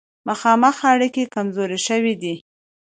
مخامخ اړیکې کمزورې شوې دي.